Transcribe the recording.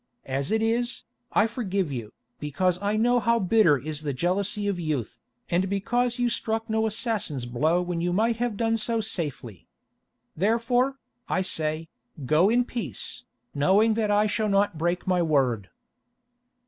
As it is, I forgive you, because I know how bitter is the jealousy of youth, and because you struck no assassin's blow when you might have done so safely. Therefore, I say, go in peace, knowing that I shall not break my word."